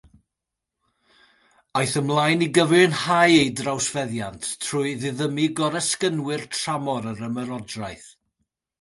Aeth ymlaen i gyfiawnhau ei drawsfeddiant trwy ddiddymu goresgynwyr tramor yr Ymerodraeth.